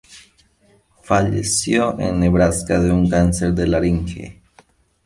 Falleció en Nebraska de un cáncer de laringe.